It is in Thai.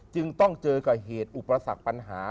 จึงต้องเจอกับเหตุอุปสรรคปัญหา